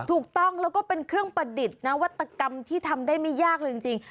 ถูกต้องแล้วก็เป็นเครื่องประดิษฐ์นวัตกรรมที่ทำได้ไม่ยากเลยจริง